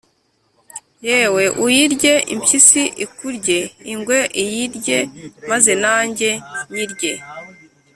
yewe uyirye, impyisi ikurye, ingwe iyirye, maze nanjye nyirye.”